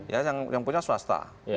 ya yang punya swasta